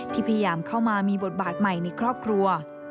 ที่พยายามเข้ามามีบทบาทใหม่ในครอบครัว